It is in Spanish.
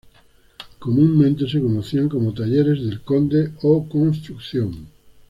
Comúnmente se conocían como Talleres del Conde o Construcción.